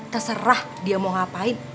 terserah dia mau ngapain